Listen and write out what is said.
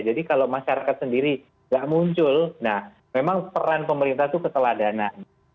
jadi kalau masyarakat sendiri gak muncul nah memang peran pemerintah itu keteladanan